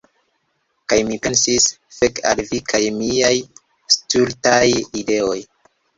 Kaj mi pensis: "Fek al mi kaj miaj stultaj ideoj!"